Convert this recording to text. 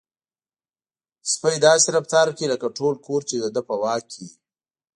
سپی داسې رفتار کوي لکه ټول کور چې د ده په واک کې وي.